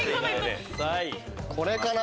これかな？